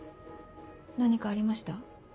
何かありました？